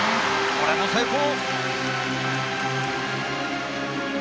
これも成功！